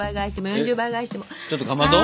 ちょっとかまど？